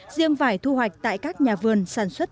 riêng vải thu hoạch tại các nhà vườn sản xuất